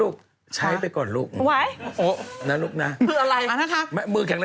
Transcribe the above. คือถ้าเกิดได้ผู้นี่คือแบบ